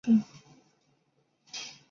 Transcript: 王士禛甥婿。